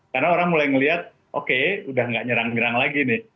karena orang mulai ngeliat oke udah nggak nyerang nyerang lagi nih